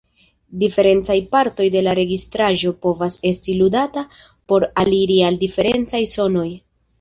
Diferencaj partoj de la registraĵo povas esti ludata por aliri al diferencaj sonoj.